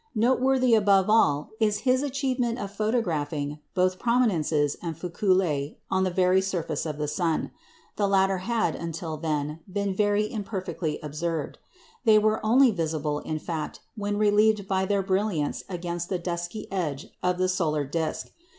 Noteworthy above all is his achievement of photographing both prominences and faculæ on the very face of the sun. The latter had, until then, been very imperfectly observed. They were only visible, in fact, when relieved by their brilliancy against the dusky edge of the solar disc.